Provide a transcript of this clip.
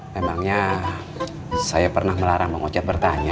memangnya saya pernah melarang bang ocet bertanya